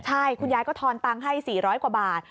ใช่คุณยายก็ทอนตังค์ให้๔๐๐กว่าบาท